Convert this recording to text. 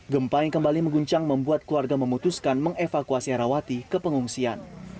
gempa yang kembali mengguncang membuat keluarga memutuskan mengevakuasi herawati ke pengungsian